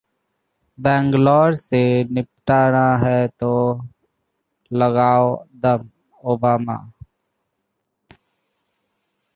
'बैंगलोर' से निपटना है तो लगाओ दम: ओबामा